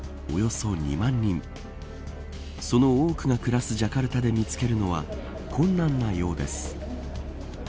その多くが暮らすジャカルタで見つけるのは困難なようです。